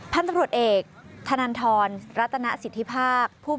พันธุ์ตำรวจเอกธนันทรรัตนสิทธิภาค